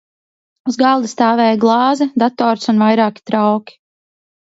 Uz galda stāvēja glāze, dators un vairāki trauki.